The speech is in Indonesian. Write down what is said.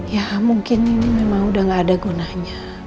ya mungkin ini memang udah gak ada gunanya